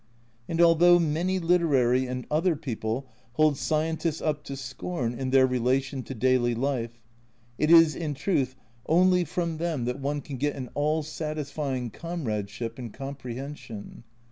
And although many literary and other people hold scientists up to scorn in their relation to daily life, it is in truth only from xiv A Journal from Japan them that one can get an all satisfying comradeship and comprehension.